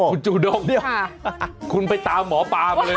คุณจุดกลิ้วคุณไปตามหมอปามาเลย